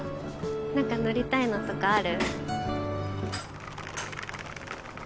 何か乗りたいのとかある？